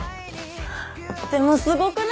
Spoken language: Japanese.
でもすごくないですか？